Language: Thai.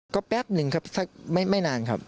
ก็แป๊บหนึ่งครับสักไม่นานครับ